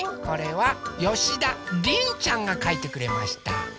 これはよしだりんちゃんがかいてくれました。